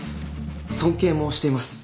尊敬もしています。